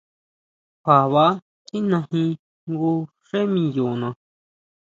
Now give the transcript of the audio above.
Kjua ba tijnajin jngu xé miyona.